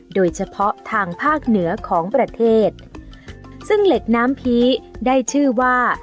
โดยเฉพาะทางภาคเหนือของประเทศซึ่งเหล็กน้ำผีได้ชื่อว่า